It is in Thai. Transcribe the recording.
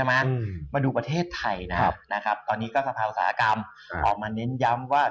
มาดูประเทศไทยนะครับตอนนี้ก็สภาอุตสาหกรรมออกมาเน้นย้ำว่า